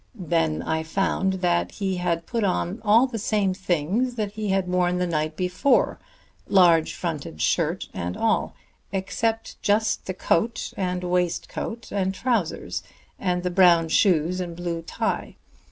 Then I found that he had put on all the same things that he had worn the night before large fronted shirt and all except just the coat and waistcoat and trousers, and the brown shoes and blue tie.